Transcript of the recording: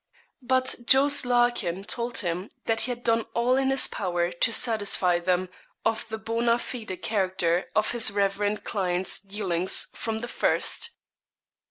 But Jos. Larkin told him that he had done all in his power 'to satisfy them of the bonâ fide character' of his reverend client's dealings from the first.